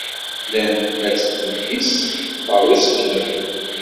Llan la tteddun yes-s ɣer usegnaf.